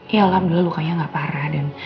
ya allah alhamdulillah lukanya gak parah dan